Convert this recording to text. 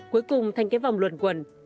cuối cùng thành cái vòng luận quẩn